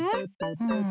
うん？